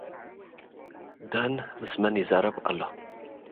ዳን ምስ መን ይዛረብ ኣሎ?